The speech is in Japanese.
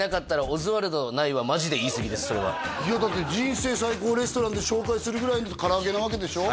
「オズワルドない」はいやだって「人生最高レストラン」で紹介するぐらいの唐揚げなわけでしょ？